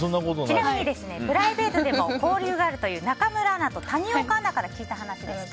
ちなみに、プライベートでも交流があるという中村アナと谷岡アナから聞いた話ですと。